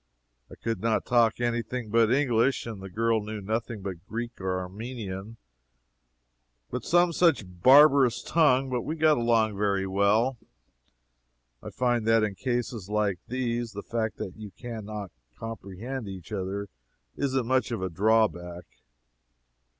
I could not talk anything but English, and the girl knew nothing but Greek, or Armenian, or some such barbarous tongue, but we got along very well. I find that in cases like these, the fact that you can not comprehend each other isn't much of a drawback.